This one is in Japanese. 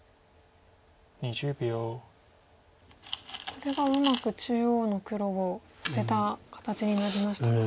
これはうまく中央の黒を捨てた形になりましたか。